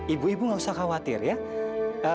ibu ibu nggak usah khawatir ya